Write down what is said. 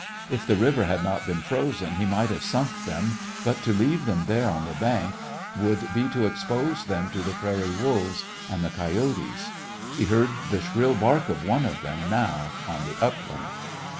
If the river had not been frozen he might have sunk them; but to leave them there on the bank would be to expose them to the prairie wolves and the coyotes. He heard the shrill bark of one of them now on the upland.